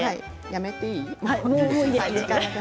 やめていい？